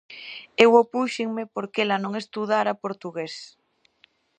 Eu opúxenme porque ela non estudara portugués.